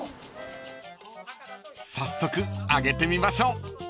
［早速あげてみましょう］